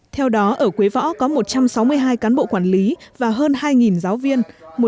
theo đó ở quế võ có một trăm sáu mươi hai cán bộ quản lý và hơn hai giáo viên